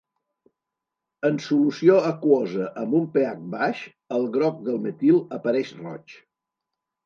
En solució aquosa amb un pH baix, el groc del metil apareix roig.